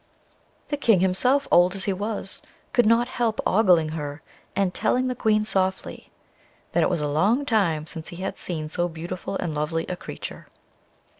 The King himself, old as he was, could not help ogling her, and telling the Queen softly, "that it was a long time since he had seen so beautiful and lovely a creature."